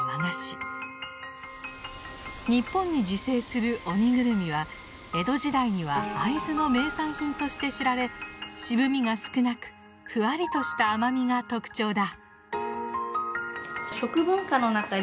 日本に自生するオニグルミは江戸時代には会津の名産品として知られ渋みが少なくふわりとした甘みが特徴だ。